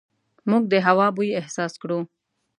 موږ د هوا بوی احساس کړو.